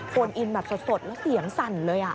โอนอินแบบสดแล้วเสียงสั่นเลย